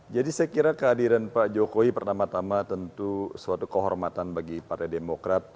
jadi saya kira kehadiran pak jokowi pertama tama tentu suatu kehormatan bagi partai demokrat